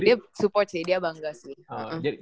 dia support sih dia bangga sih